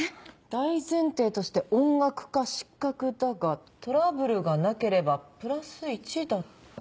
「大前提として音楽家失格だがトラブルがなければプラス１だった」。